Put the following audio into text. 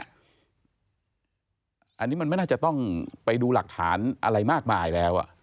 อันนี้มันไม่น่าจะต้องไปดูหลักฐานอะไรมากมายแล้ว